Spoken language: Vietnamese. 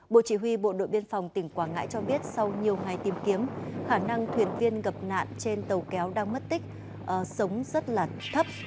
bộ chỉ huy bộ đội biên phòng tỉnh quảng ngãi cho biết sau nhiều ngày tìm kiếm khả năng thuyền viên gặp nạn trên tàu kéo đang mất tích sống rất là thấp